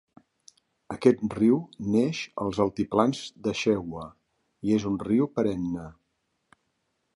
Aquest riu neix als altiplans de Shewa i és un riu perenne.